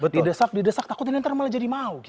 didesak didesak takutin nanti malah jadi mau